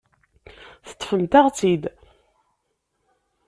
Teṭṭfemt-aɣ-tt-id.